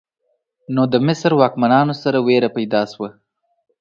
نو د مصر واکمنانو سره ویره پیدا شوه.